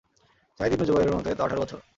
Saeed ibn জুবায়রের মতে, তা আঠার বছর।